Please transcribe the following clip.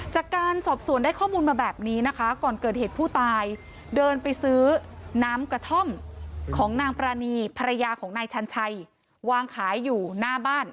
จากการสอบสวนได้ข้อมูลมาแบบนี้นะคะก่อนเกิดเหตุผู้ตายเดินไปซื้อน้ำกระท่อมของนางปรานีภรรยาของนายชันชัยวางขายอยู่หน้าบ้าน